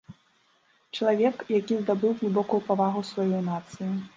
Чалавек, які здабыў глыбокую павагу сваёй нацыі.